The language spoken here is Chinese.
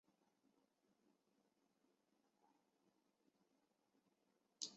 隆斯塔是位于美国加利福尼亚州弗雷斯诺县的一个非建制地区。